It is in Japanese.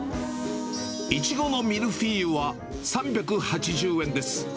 苺のミルフィーユは３８０円です。